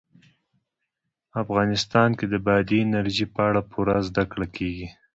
افغانستان کې د بادي انرژي په اړه پوره زده کړه کېږي.